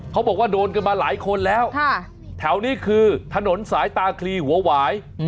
เขาบอกว่าโดนกันมาหลายคนแล้วแถวนี้คือถนนสายตาคลีหัวหวาย